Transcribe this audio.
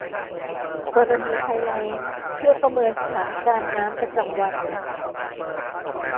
กรณีภัยแล้งเพื่อประเมินสถานการณ์น้ำประจำวัน